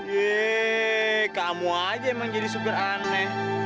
yeee kamu aja yang menjadi supir aneh